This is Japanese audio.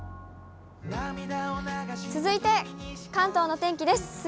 続いて関東の天気です。